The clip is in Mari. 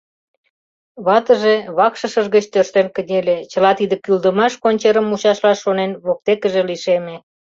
Ватыже вакшышыж гыч тӧрштен кынеле, чыла тиде кӱлдымаш кончерым мучашлаш шонен, воктекыже лишеме.